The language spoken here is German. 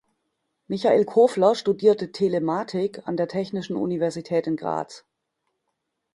Michael Kofler studierte Telematik an der Technischen Universität in Graz.